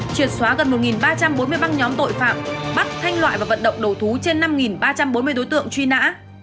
triệt xóa gần một ba trăm bốn mươi băng nhóm tội phạm bắt thanh loại và vận động đầu thú trên năm ba trăm bốn mươi đối tượng truy nã